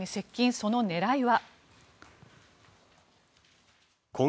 その狙いは？